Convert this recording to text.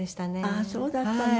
ああそうだったの。